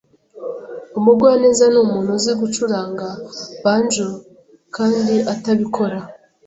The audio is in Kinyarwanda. Umugwaneza numuntu uzi gucuranga banjo kandi atabikora.